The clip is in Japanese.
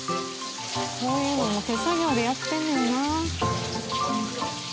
こういうのも手作業でやってんねんなあ。